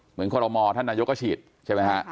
เหมือนโคลโลมอร์ท่านนายุก็ฉีดใช่ไหมครับ